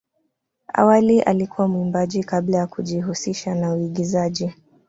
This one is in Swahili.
Awali alikuwa mwimbaji kabla ya kujihusisha na uigizaji.